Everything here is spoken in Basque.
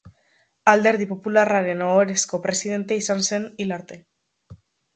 Alderdi Popularraren ohorezko presidente izan zen hil arte.